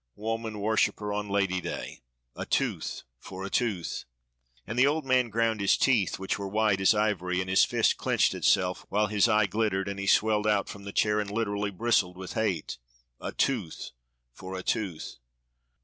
woman worshiper, on Lady day! A tooth for a tooth!" And the old man ground his teeth, which were white as ivory, and his fist clinched itself, while his eye glittered, and he swelled out from the chair, and literally bristled with hate "A tooth for a tooth!"